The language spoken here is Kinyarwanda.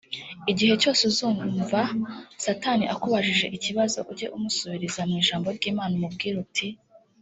Igihe cyose uzumva satani akubajije ikibazo ujye umusubiriza mu ijambo ry'Imana umubwire uti